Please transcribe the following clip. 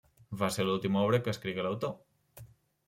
Va ser l'última obra que escrigué l'autor.